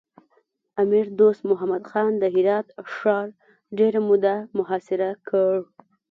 امیر دوست محمد خان د هرات ښار ډېره موده محاصره کړ.